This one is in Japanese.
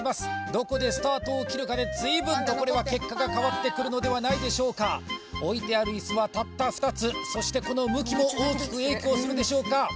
どこでスタートを切るかで随分とこれは結果が変わってくるのではないでしょうか置いてあるイスはたった２つそしてこの向きも大きく影響するでしょうか